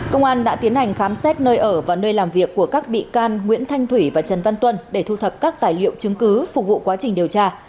công an đã tiến hành khám xét nơi ở và nơi làm việc của các bị can nguyễn thanh thủy và trần văn tuân để thu thập các tài liệu chứng cứ phục vụ quá trình điều tra